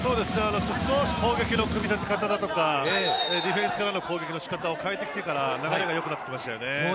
少し攻撃の組み立てやディフェンスからの攻撃の仕方を変えてから流れがよくなりましたね。